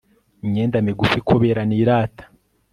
imyenda migufi kubera nirata